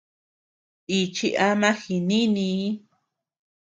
Nichi ama jinìnii.